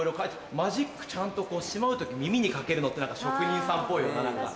マジックちゃんとしまう時耳に掛けるのって職人さんっぽいよな何か。